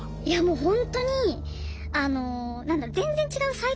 いやもうほんとにあの何だろう